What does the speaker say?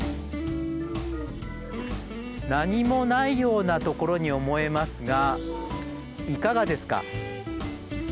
何もないようなところに思えますがいかがですか？